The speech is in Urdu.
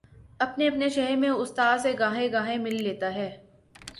اپنے اپنے شہر میں استاد سے گاہے گاہے مل لیتا ہے۔